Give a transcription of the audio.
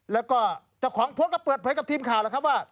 แล้วก็เจ้าของโพสต์ก็เปิดเผยกับทีมข่าวแล้วครับว่า